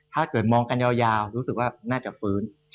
ถ้าเกิดมองกันยาวรู้สึกว่าน่าจะฟื้น